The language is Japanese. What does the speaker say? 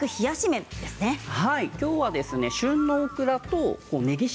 きょうは旬のオクラとねぎ塩